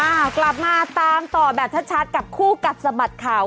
กลับมาตามต่อแบบชัดกับคู่กัดสะบัดข่าว